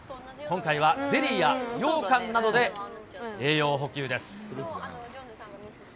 今回はゼリーやようかんなどで、栄養補給です。